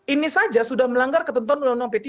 ini saja sudah melanggar ketentuan undang undang p tiga